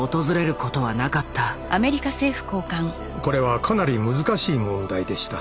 これはかなり難しい問題でした。